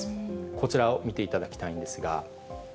こちらを見ていただきたいんですが。